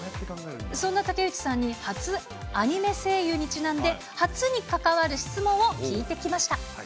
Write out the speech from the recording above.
そんな竹内さんに初アニメ声優にちなんで、初に関わる質問を聞いてきました。